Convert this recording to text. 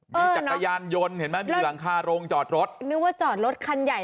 มีจักรยานยนต์เห็นไหมมีหลังคาโรงจอดรถนึกว่าจอดรถคันใหญ่